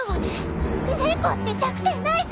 猫って弱点ないさ？